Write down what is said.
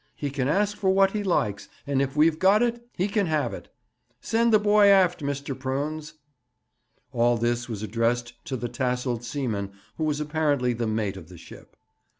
He can ask for what he likes, and if we've got it, he can have it. Send the boy aft, Mr. Prunes.' All this was addressed to the tasselled seaman who was apparently the mate of the ship.